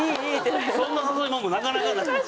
そんな誘い文句なかなかない。